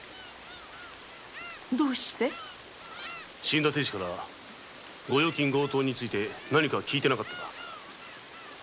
死んだ亭主から御用金強盗について何か聞いてなかったか？